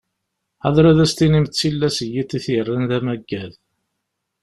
Ḥader ad as-tinim d tillas n yiḍ i t-yerran d amaggad.